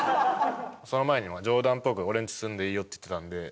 その前に冗談っぽく「俺ん家住んでいいよ」って言ってたんで。